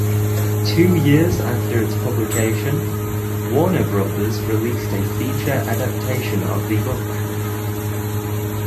Two years after its publication, Warner Brothers released a feature adaptation of the book.